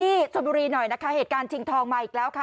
ที่ชนบุรีหน่อยนะคะเหตุการณ์ชิงทองมาอีกแล้วค่ะ